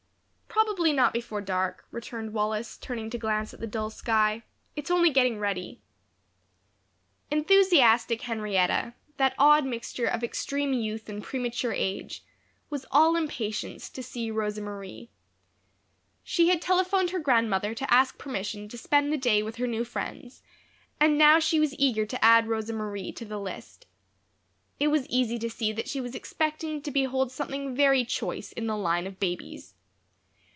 "Probably not before dark," returned Wallace, turning to glance at the dull sky. "It's only getting ready." Enthusiastic Henrietta, that odd mixture of extreme youth and premature age, was all impatience to see Rosa Marie. She had telephoned her grandmother to ask permission to spend the day with her new friends, and now she was eager to add Rosa Marie to the list. It was easy to see that she was expecting to behold something very choice in the line of babies.